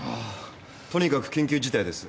とにかく緊急事態です。